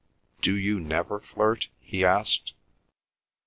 "Do you never flirt?" he asked.